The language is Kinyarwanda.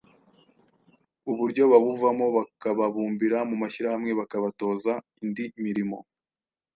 uburyo babuvamo, bakababumbira mu mashyirahamwe bakabatoza indi mirimo